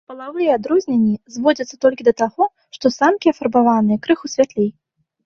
Палавыя адрозненні зводзяцца толькі да таго, што самкі афарбаваныя крыху святлей.